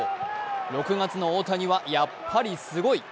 ６月の大谷はやっぱりすごい！